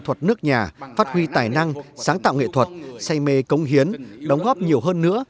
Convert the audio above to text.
thuật nước nhà phát huy tài năng sáng tạo nghệ thuật say mê công hiến đóng góp nhiều hơn nữa